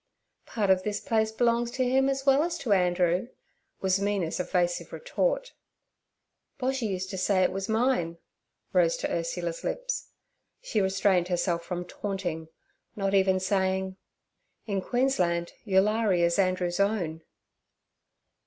'Part of this place belongs to him as well as to Andrew' was Mina's evasive retort. 'Boshy used to say it was mine' rose to Ursula's lips. She restrained herself from taunting, not even saying: 'In Queensland Eulari is Andrew's own.'